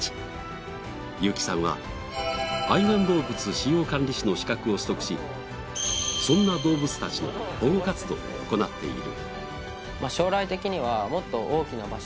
ユーキさんは愛玩動物飼養管理士の資格を取得しそんな動物たちの保護活動を行っている。